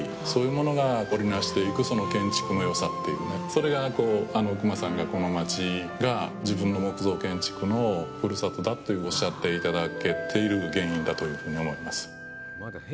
それが、隈さんが、この町が自分の木造建築のふるさとだとおっしゃっていただけている原因だというふうに思います。